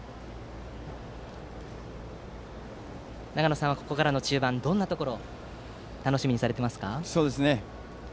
長野さんはここから中盤はどんなところを楽しみにされていますか？